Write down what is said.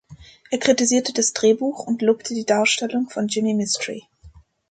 Er kritisierte das Drehbuch und lobte die Darstellung von Jimi Mistry.